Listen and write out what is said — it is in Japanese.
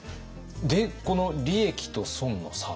でこの「利益と損の差」。